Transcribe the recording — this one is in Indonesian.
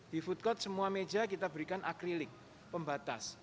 di food court semua meja kita berikan akrilik pembatas